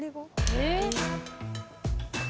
えっ。